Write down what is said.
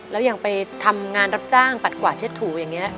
แล้วยังไปทำงานรับจ้างปัดกวาดเช็ดถูอย่างนี้